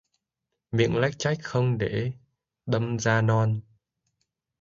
Miệng lách chách không để đâm da non